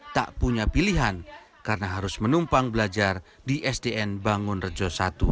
tak punya pilihan karena harus menumpang belajar di sdn bangun rejo i